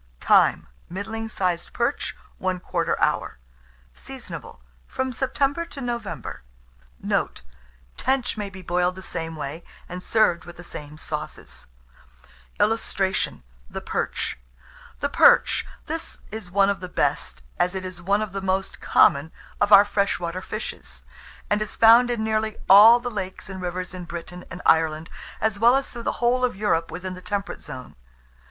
Time. Middling sized perch, 1/4 hour. Seasonable from September to November. Note. Tench may be boiled the same way, and served with the same sauces. [Illustration: THE PERCH.] THE PERCH. This is one of the best, as it is one of the most common, of our fresh water fishes, and is found in nearly all the lakes and rivers in Britain and Ireland, as well as through the whole of Europe within the temperate zone.